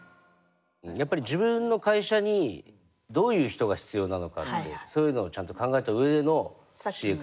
やっぱり自分の会社にどういう人が必要なのかってそういうのをちゃんと考えた上でのＣｘＯなんで。